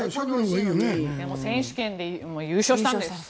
選手権で優勝したんです。